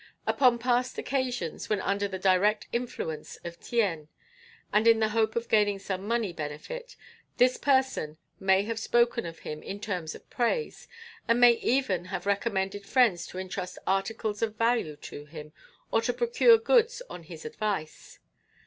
Upon past occasions, when under the direct influence of Tien, and in the hope of gaining some money benefit, this person may have spoken of him in terms of praise, and may even have recommended friends to entrust articles of value to him, or to procure goods on his advice.